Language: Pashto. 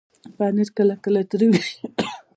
پنېر کله کله تریو وي.